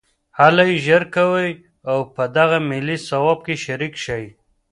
هلئ ژر کوئ او په دغه ملي ثواب کې شریک شئ